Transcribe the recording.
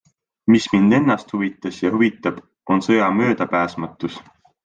Mis mind ennast huvitas ja huvitab, on sõja möödapääsmatus.